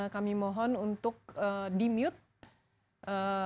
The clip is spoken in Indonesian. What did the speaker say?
kami mohon untuk di mute